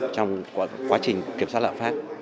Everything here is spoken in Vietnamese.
trong quá trình kiểm soát lạng phát